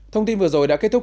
thông tin vừa rồi đã kết thúc